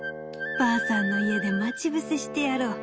ばあさんのいえでまちぶせしてやろう。